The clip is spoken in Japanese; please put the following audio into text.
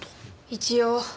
一応。